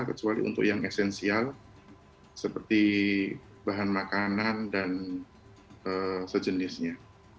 kecuali untuk yang esensial seperti bahan makanan dan sejenisnya